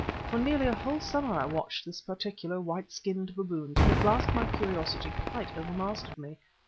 For nearly a whole summer I watched this particular white skinned baboon till at last my curiosity quite overmastered me.